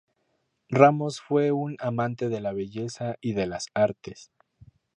Ramos fue un amante de la belleza y de las artes.